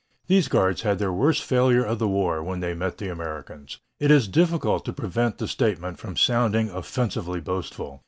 These guards had their worst failure of the war when they met the Americans. It is difficult to prevent the statement from sounding offensively boastful.